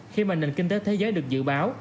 khi mà nền kinh tế thế giới được dự báo